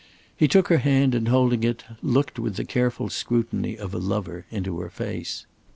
He took her hand and, holding it, looked with the careful scrutiny of a lover into her face.